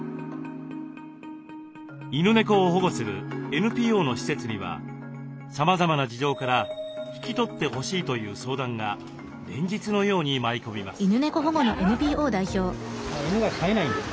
犬猫を保護するＮＰＯの施設にはさまざまな事情から引き取ってほしいという相談が連日のように舞い込みます。